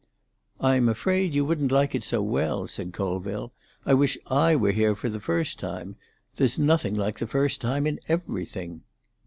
"I'm afraid you wouldn't like it so well," said Colville. "I wish I were here for the first time. There's nothing like the first time in everything."